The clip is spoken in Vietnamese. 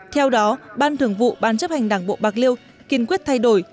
theo đó ban thường vụ ban chấp hành đảng bộ bạc liêu kiên quyết thay đổi